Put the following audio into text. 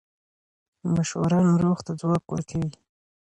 مشوره ناروغ ته ځواک ورکوي.